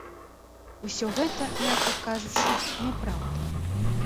Усё гэта, мякка кажучы, няпраўда.